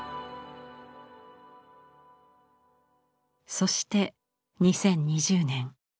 そして２０２０年。